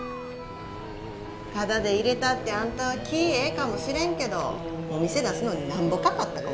タダで入れたってあんたは気ぃええかもしれんけどお店出すのになんぼかかったか分かってんのかいな。